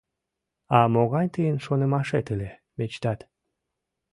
А могай тыйын шонымашет ыле, мечтат!